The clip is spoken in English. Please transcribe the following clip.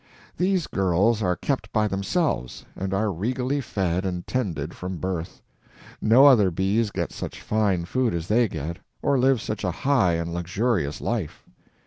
These girls are kept by themselves, and are regally fed and tended from birth. No other bees get such fine food as they get, or live such a high and luxurious life.